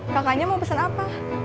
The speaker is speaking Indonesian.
kakaknya mau pesen apa